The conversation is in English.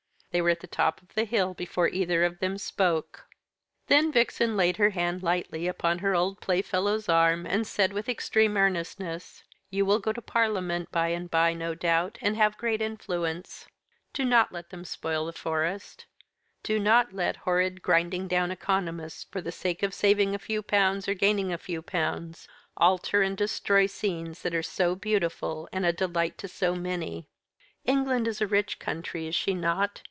They were at the top of the ill before either of them spoke. Then Vixen laid her hand lightly upon her old playfellow's arm, and said, with extreme earnestness: "You will go into Parliament by and by, no doubt, and have great influence. Do not let them spoil the Forest. Do not let horrid grinding down economists, for the sake of saving a few pounds or gaining a few pounds, alter and destroy scenes that are so beautiful and a delight to so many. England is a rich country, is she not?